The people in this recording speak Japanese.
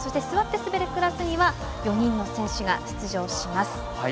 座って滑るクラスには４人の選手が出場します。